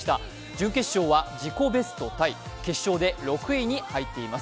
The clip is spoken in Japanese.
準決勝は自己ベストタイ、決勝で６位に入っています。